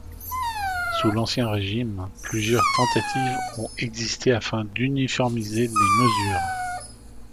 Sous l'Ancien Régime, plusieurs tentatives ont existé afin d'uniformiser les mesures.